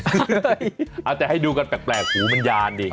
อะไรเอาแต่ให้ดูกันแปลกสูงมัญญาณดิเออ